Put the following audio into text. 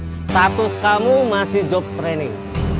status kamu masih job training